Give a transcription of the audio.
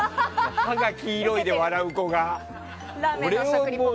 歯が黄色いで笑う子が。